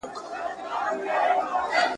چي تر څو مي نوم یادیږي چي سندری مي شرنګیږي `